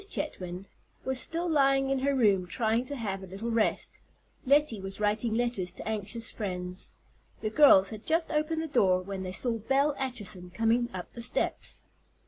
Chetwynd was still lying in her room trying to have a little rest; Lettie was writing letters to anxious friends. The girls had just opened the door when they saw Belle Acheson coming up the steps.